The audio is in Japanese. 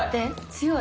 強い。